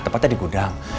tempatnya di gudang